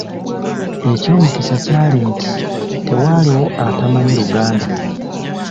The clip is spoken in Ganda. Eky’omukisa kyali nti tewaaliwo atamanyi Luganda.